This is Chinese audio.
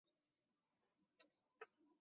本县县治为苏珊维尔。